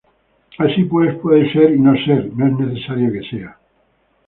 Así pues, puede ser y no ser, no es necesario que sea.